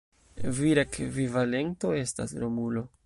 Vira ekvivalento estas Romulo.